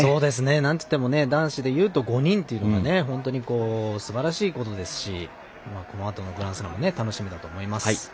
なんといっても男子で言うと５人というのがすばらしいことですしこのあとのグランドスラムも楽しみだと思います。